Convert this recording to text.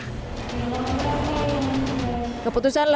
keputusan larangan mudik ini diperlukan oleh asn dan tni polri